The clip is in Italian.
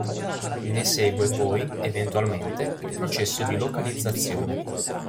Ne segue poi, eventualmente, il processo di localizzazione.